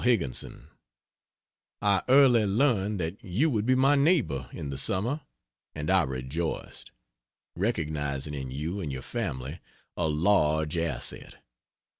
HIGGINSON, I early learned that you would be my neighbor in the Summer and I rejoiced, recognizing in you and your family a large asset.